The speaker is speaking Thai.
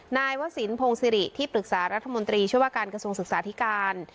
นายวศิลปงศิริที่ปรึกษารัฐมนตรีช่วยว่าการกระทรวงศึกษาธิการ